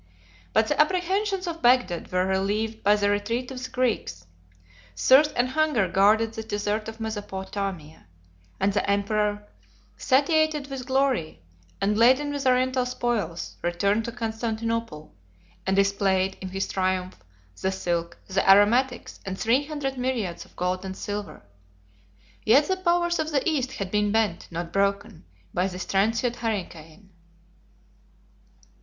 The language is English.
But the apprehensions of Bagdad were relieved by the retreat of the Greeks: thirst and hunger guarded the desert of Mesopotamia; and the emperor, satiated with glory, and laden with Oriental spoils, returned to Constantinople, and displayed, in his triumph, the silk, the aromatics, and three hundred myriads of gold and silver. Yet the powers of the East had been bent, not broken, by this transient hurricane.